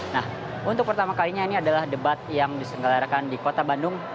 nah untuk pertama kalinya ini adalah debat yang disenggalarakan di kota bandung